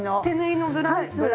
手縫いのブラウス。